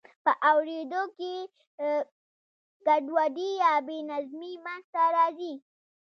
په اوریدو کې ګډوډي یا بې نظمي منځ ته راځي.